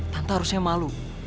tante harusnya malu